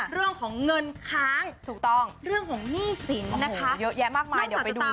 เรื่องของเงินค้างถูกต้องเรื่องของหนี้สินนะคะเยอะแยะมากมายเดี๋ยวไปดู